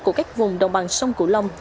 của các vùng đồng bằng sông cửu long